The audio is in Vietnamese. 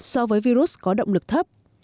so với virus có động lực thấp